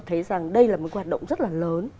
thấy rằng đây là một hoạt động rất là lớn